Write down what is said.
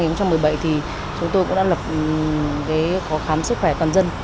năm hai nghìn một mươi bảy thì chúng tôi cũng đã có khám sức khỏe toàn dân